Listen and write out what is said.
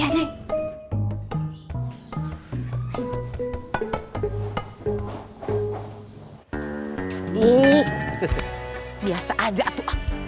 nih biasa aja tuh